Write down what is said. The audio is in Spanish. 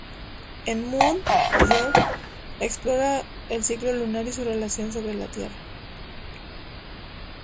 En "Moon", Björk explora el ciclo lunar y su relación sobre la Tierra.